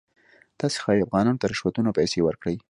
تاسې ښایي افغانانو ته رشوتونه او پیسې ورکړئ.